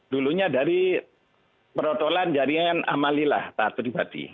dulunya dari perotolan jaringan amalilah taat pribadi